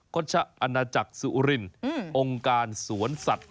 ก็ชะอันจักรสุรินทร์องค์การสวนสัตว์